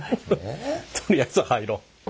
とりあえず入ろう。